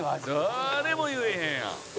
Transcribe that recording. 「誰も言えへんやん」